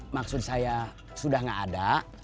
maksud saya sudah tidak ada